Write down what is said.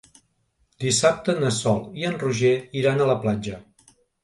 Dissabte na Sol i en Roger iran a la platja.